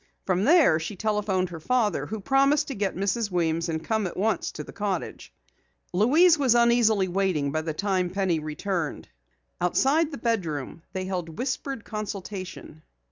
From there she telephoned her father, who promised to get Mrs. Weems and come at once to the cottage. Louise was uneasily waiting by the time Penny returned. Outside the bedroom they held whispered consultation.